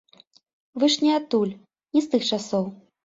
Вы ж не адтуль, не з тых часоў.